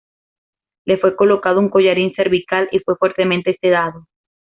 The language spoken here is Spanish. Le fue colocado un collarín cervical y fue fuertemente sedado.